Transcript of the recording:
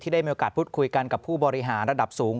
ได้มีโอกาสพูดคุยกันกับผู้บริหารระดับสูง